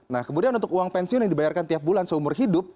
nah kemudian untuk uang pensiun yang dibayarkan tiap bulan seumur hidup